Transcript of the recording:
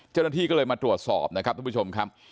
เจ้าหน้าที่ก็เลยมาตรวจสอบนะครับทุกผู้ชมครับ